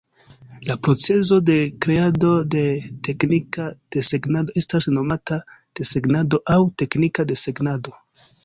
La procezo de kreado de teknika desegnado estas nomata desegnado aŭ teknika desegnado.